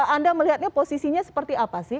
anda melihatnya posisinya seperti apa sih